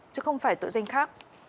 chứ không phải tội danh khác